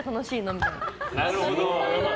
みたいな。